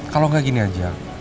kalau gak gini aja